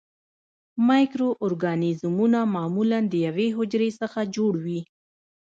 مایکرو ارګانیزمونه معمولاً د یوې حجرې څخه جوړ وي.